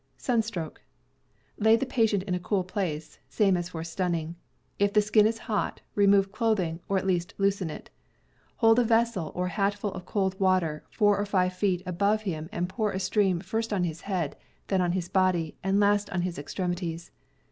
Lay the patient in a cool place, position same as for 310 CAMPING AND WOODCRAFT stunning. If the skin is hot, remove clothing, or at , least loosen it. Hold a vessel or hatful of cold water four or five feet above him and pour a stream first on his head, then on his body, and last on his extremities.